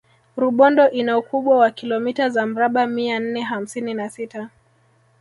Rubondo ina ukubwa wa kilomita za mraba mia nne hamsini na sita